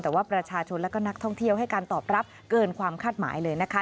แต่ว่าประชาชนและก็นักท่องเที่ยวให้การตอบรับเกินความคาดหมายเลยนะคะ